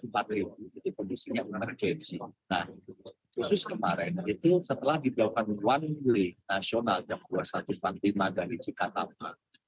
nah khusus kemarin itu setelah dibawah wnw nasional jam dua puluh satu lima dari cikatapa